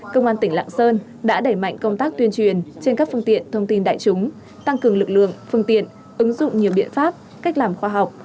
công an tỉnh lạng sơn đã đẩy mạnh công tác tuyên truyền trên các phương tiện thông tin đại chúng tăng cường lực lượng phương tiện ứng dụng nhiều biện pháp cách làm khoa học